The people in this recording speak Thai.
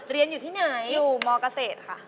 เรียนอยู่ที่ไหนอยู่มเกษตรค่ะ